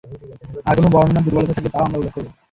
আর কোন বর্ণনার দুর্বলতা থাকলে তাও আমরা উল্লেখ করব।